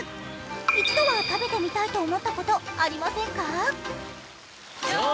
一度は食べてみたいと思ったことありませんか？